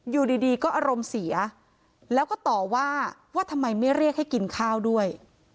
อยู่ดีก็อารมณ์เสียแล้วก็ต่อว่าว่าทำไมไม่เรียกให้กินข้าวด้วย